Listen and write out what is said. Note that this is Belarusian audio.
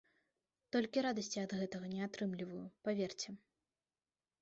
Толькі радасці ад гэтага не атрымліваю, паверце.